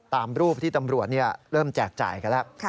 ตามรูปที่ตำรวจเริ่มแจกจ่ายกันแล้ว